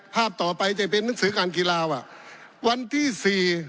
ภาพต่อไปจะเป็นหนังสือการกีฬาว่ะวันที่สี่